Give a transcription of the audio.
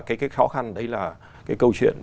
cái khó khăn đấy là cái câu chuyện